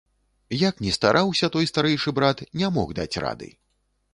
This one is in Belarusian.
Як ні стараўся той старэйшы брат, не мог даць рады.